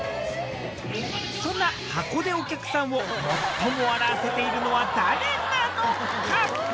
そんなハコでお客さんを最も笑わせているのは誰なのか？